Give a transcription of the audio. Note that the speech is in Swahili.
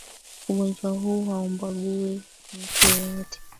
Ugonjwa huu haumbagui mtu yeyote